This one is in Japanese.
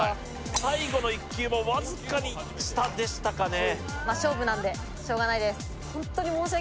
最後の１球も僅かに下でしたかね。